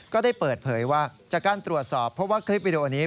ก็ได้เปิดเผยว่าจากการตรวจสอบเพราะว่าคลิปวิดีโอนี้